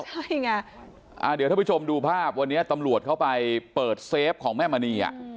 ใช่ไงเดี๋ยวท่านผู้ชมดูภาพวันนี้ตำรวจเข้าไปเปิดเซฟของแม่มณี